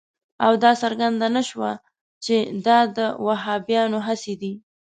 او دا څرګنده نه شوه چې دا د وهابیانو هڅې دي.